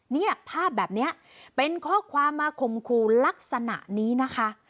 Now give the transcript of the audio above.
เนี่ยภาพแบบนี้เป็นข้อความมาข่มขู่ลักษณะนี้นะคะ